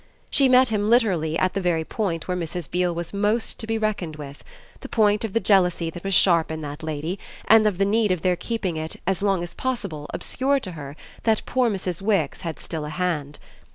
She met him literally at the very point where Mrs. Beale was most to be reckoned with, the point of the jealousy that was sharp in that lady and of the need of their keeping it as long as possible obscure to her that poor Mrs. Wix had still a hand.